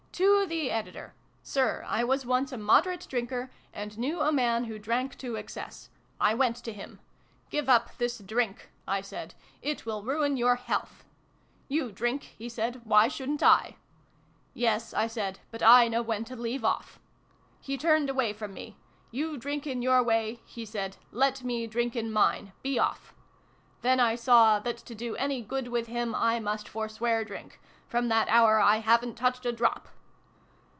To the Editor. Sir, I was once a moderate drinker, and knew a man ivho drank to excess. I went to him. ' Give up this drink,' I said. ' It will ruin your health !'' You drink,' he said :' why shouldn't I ?'' Yes] I said, ' but I know when to leave off.' He turned away from me. ' You drink in your way ] he said: ''let me drink in mine. Be off !' Then 1 saw that, to do any good with him, I must forswear drink. From that hour I haven t touched a drop